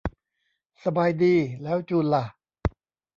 สบายดี แล้วจูนล่ะ